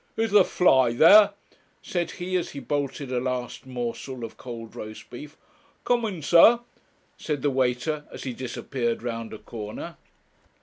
'Is the fly there?' said he, as he bolted a last morsel of cold roast beef. 'Coming, sir,' said the waiter, as he disappeared round a corner.